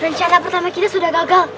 rencana pertama kini sudah gagal